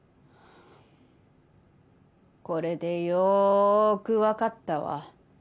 これでよーくわかったわ。